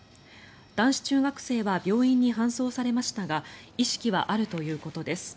男子中学生は病院に搬送されましたが意識はあるということです。